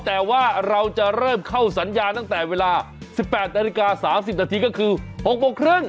แต่ว่าเราจะเริ่มเข้าสัญญาณตั้งแต่เวลา๑๘นาฬิกา๓๐นาทีก็คือ๖โมงครึ่ง